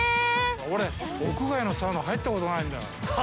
俺屋外のサウナ入ったことないんだ。